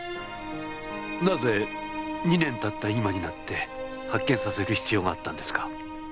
なぜ２年経った今になって発見させる必要があったんですか？